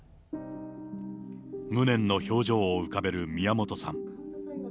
無念の表情を浮かべる宮本さん。